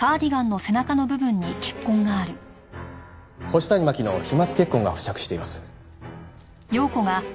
星谷真輝の飛沫血痕が付着しています。